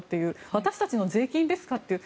私たちの税金ですかっていう。